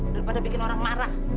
daripada bikin orang marah